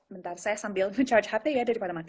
bentar saya sambil ngecharge hp ya daripada mati